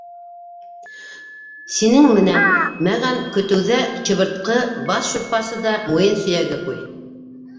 — Синең менән мәғән көтөүҙә чыбырткы, бас шурпасы да муйын сөйәге ҡуй!